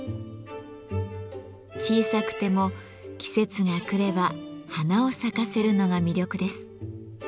小さくても季節が来れば花を咲かせるのが魅力です。